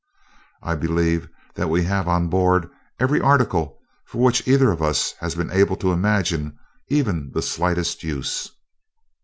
I believe that we have on board every article for which either of us has been able to imagine even the slightest use."